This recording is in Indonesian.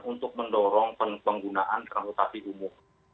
untuk mendorong penggunaan transportasi umum